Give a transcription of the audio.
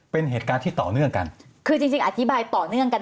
เป็นเหตุการณ์ที่ต่อเนื่องกันคือจริงจริงอธิบายต่อเนื่องกัน